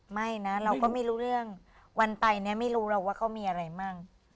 ไม่นะเราก็ไม่รู้เรื่องวันไปเนี่ยไม่รู้หรอกว่าเขามีอะไรมั่ง